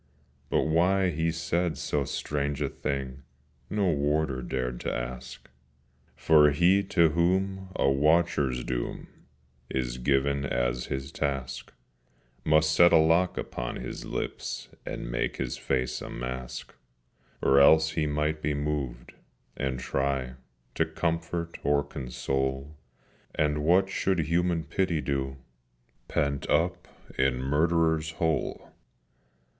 But why he said so strange a thing No Warder dared to ask: For he to whom a watcher's doom Is given as his task, Must set a lock upon his lips, And make his face a mask. Or else he might be moved, and try To comfort or console: And what should Human Pity do Pent up in Murderers' Hole?